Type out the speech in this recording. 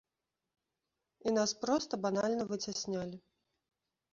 І нас проста банальна выцяснялі.